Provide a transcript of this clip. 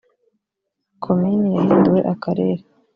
komini yahinduwe akarere.